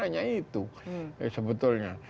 hanya itu sebetulnya